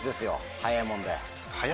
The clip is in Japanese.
早いもんで。